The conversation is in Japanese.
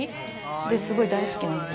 すごい大好きなんです。